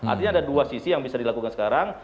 artinya ada dua sisi yang bisa dilakukan sekarang